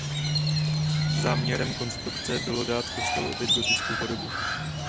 Záměrem rekonstrukce bylo dát kostelu opět gotickou podobu.